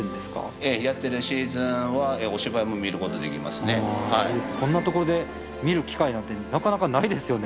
すごい！こんな所で見る機会なんてなかなかないですよね。